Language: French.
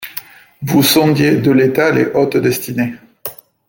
Vous sondiez de l'état les hautes destinées